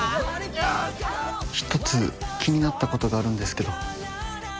一つ気になったことがあるんですけど